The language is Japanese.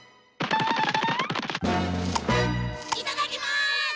いただきます！